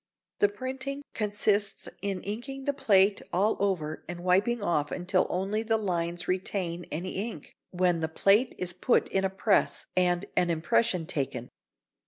The printing consists in inking the plate all over and wiping off until only the lines retain any ink, when the plate is put in a press and an impression taken.